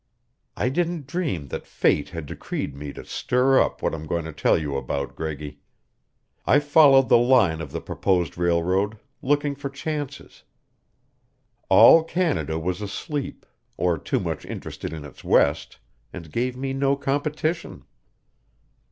"I didn't dream that fate had decreed me to stir up what I'm going to tell you about, Greggy. I followed the line of the proposed railroad, looking for chances. All Canada was asleep, or too much interested in its west, and gave me no competition.